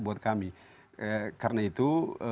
buat kami karena itu